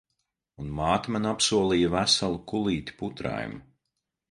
Un māte man apsolīja veselu kulīti putraimu.